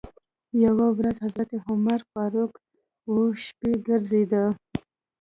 یوه ورځ حضرت عمر فاروق و شپې ګرځېده.